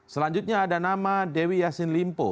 selanjutnya ada nama dewi yassin limpo